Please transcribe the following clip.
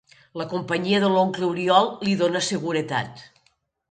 La companyia de l'oncle Oriol li dona seguretat.